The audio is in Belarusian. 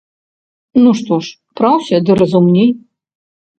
Ну што ж, праўся ды разумней.